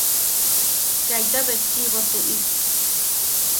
Kaita betchiʼibo tuʼi.